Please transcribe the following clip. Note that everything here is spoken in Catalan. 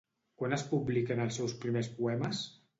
Quan es publiquen els seus primers poemes?